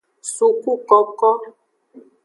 Sukukoko.